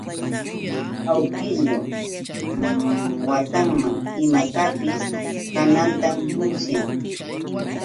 Awkillu watanman imatapis kanantam musyan.